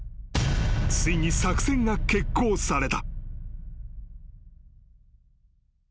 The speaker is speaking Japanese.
ついに作戦が決行された］